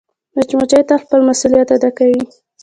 مچمچۍ تل خپل مسؤولیت ادا کوي